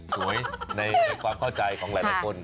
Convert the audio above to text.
สวยในความเข้าใจของหลายคน